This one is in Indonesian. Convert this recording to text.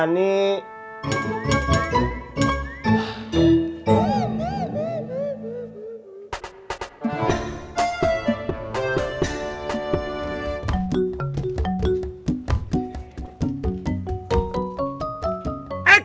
tidak tidak tidak tidak